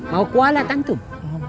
mau kualat antum